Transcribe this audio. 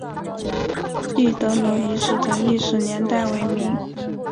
一德楼遗址的历史年代为明。